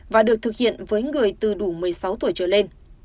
và được thực hiện với người từ đủ một mươi sáu tuổi trở lên